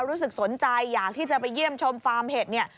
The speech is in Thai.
รู้สึกสนใจอยากที่จะไปเยี่ยมชมฟาร์มเห็ดเนี่ย